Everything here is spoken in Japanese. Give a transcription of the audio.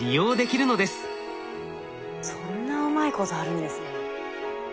そんなうまいことあるんですね。